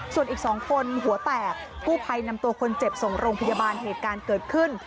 ส่วนอีก๒คนหัวแตกกู้ภัยนำตัวคนเจ็บส่งโรงพยาบาลเหตุการณ์เกิดขึ้น